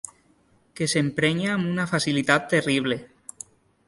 Que s'emprenya amb una facilitat terrible.